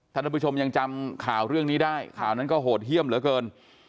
ท่านผู้ชมยังจำข่าวเรื่องนี้ได้ข่าวนั้นก็โหดเยี่ยมเหลือเกิน